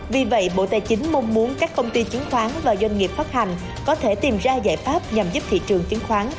vì vậy bộ tài chính mong muốn các công ty chứng khoán và doanh nghiệp phát hành có thể tìm ra giải pháp nhằm giúp thị trường chứng khoán